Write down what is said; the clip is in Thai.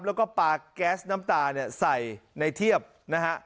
แล้วก็ปลาแก๊สน้ำตาเนี่ยใส่ในเทียบนะฮะ